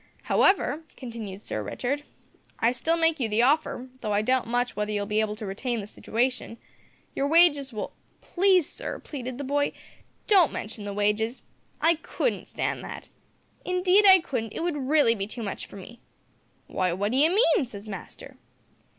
`However,' continued Sir Richard, `I still make you the offer, though I doubt much whether you will be able to retain the situation. Your wages will ' "`Please sir,' pleaded the boy, `don't mention the wages. I couldn't stand that. Indeed I couldn't; it would really be too much for me.' "`Why, what do you mean?' says master.